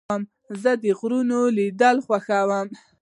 زه د غرونو لیدل خوښوم.